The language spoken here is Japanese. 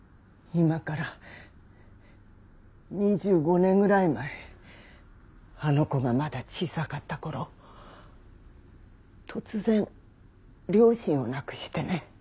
今から２５年ぐらい前あの子がまだ小さかった頃突然両親を亡くしてね